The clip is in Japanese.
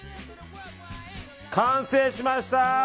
完成しました！